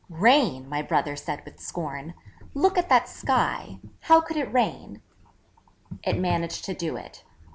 'Rain!' My brother said with scorn. 'Look at that sky! How could it rain?' It managed to do it.